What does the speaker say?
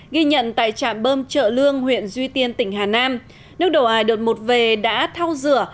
ghi nhận tại trạm bơm trợ lương huyện duy tiên tỉnh hà nam nước đổ ải đột một về đã thao rửa